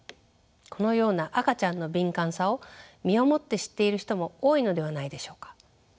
このような赤ちゃんの敏感さを身をもって知っている人も多いのではないでしょうか。